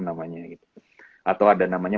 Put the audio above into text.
namanya gitu atau ada namanya